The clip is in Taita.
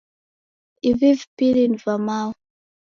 Ivi vipini ni va Mao.